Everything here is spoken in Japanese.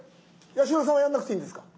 八代さんはやんなくていいんですか？